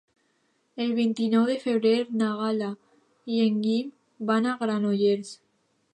El vint-i-nou de febrer na Gal·la i en Guim van a Granollers.